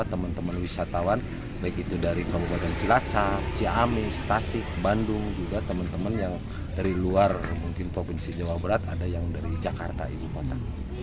teman teman wisatawan baik itu dari kabupaten cilacap ciamis tasik bandung juga teman teman yang dari luar mungkin provinsi jawa barat ada yang dari jakarta ibu kota